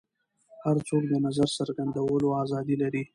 هر څوک د نظر څرګندولو ازادي لري.